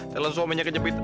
lalu suaminya kejepitan